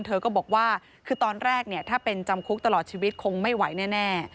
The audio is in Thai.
เธอก็บอกว่าคือตอนแรกเนี่ยถ้าเป็นจำคุกตลอดชีวิตคงไม่ไหวแน่